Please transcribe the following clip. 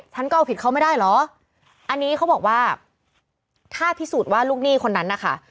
ฉันก็เอาผิดเขาไม่ได้เหรออันนี้เขาบอกว่าถ้าพิสูจน์ว่าลูกหนี้คนนั้นนะคะ